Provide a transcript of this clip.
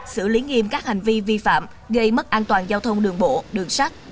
xử lý nghiêm các hành vi vi phạm gây mất an toàn giao thông đường bộ đường sắt